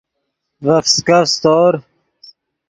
ڤے فسکف سیتور